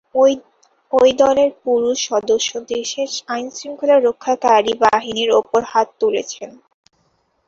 ওই দলের পুরুষ সদস্যরা দেশের আইনশৃঙ্খলা রক্ষাকারী বাহিনীর ওপর হাত তুলছেন।